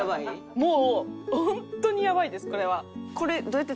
もうホントにやばいですこれは。